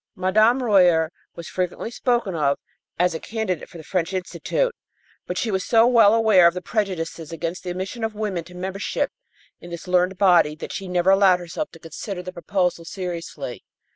Mme. Royer was frequently spoken of as a candidate for the French Institute, but she was so well aware of the prejudices against the admission of women to membership in this learned body that she never allowed herself to consider the proposal seriously.